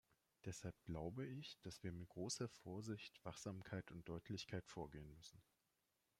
Deshalb glaube ich, dass wir mit großer Vorsicht, Wachsamkeit und Deutlichkeit vorgehen müssen.